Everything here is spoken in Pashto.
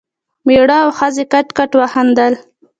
مېړه او ښځې کټ کټ وخندل.